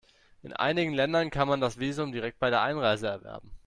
In einigen Ländern kann man das Visum direkt bei der Einreise erwerben.